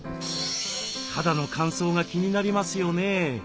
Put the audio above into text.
肌の乾燥が気になりますよね。